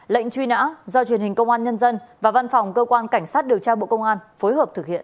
lệnh truy nã do truyền hình công an nhân dân và văn phòng cơ quan cảnh sát điều tra bộ công an phối hợp thực hiện